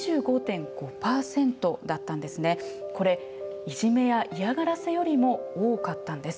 これいじめやいやがらせよりも多かったんです。